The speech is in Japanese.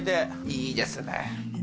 いいですね。